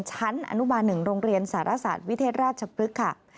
ชั้นอนุบาล๑โรงเรียนสารสาธิตรวิเทศราชปุ๊กค่ะ